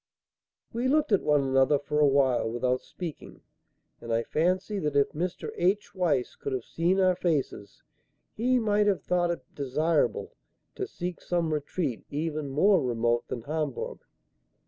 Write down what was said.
We looked at one another for awhile without speaking; and I fancy that if Mr. H. Weiss could have seen our faces he might have thought it desirable to seek some retreat even more remote than Hamburg.